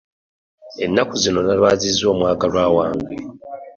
Ennaku zino nalwaziza omwagalwa wange.